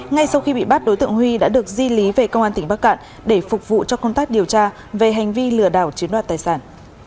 ngay sau khi bị bắt đối tượng huy đã được di lý về công an tỉnh bắc cạn để phục vụ cho công tác điều tra về hành vi lừa đảo chiếm đoạt tài sản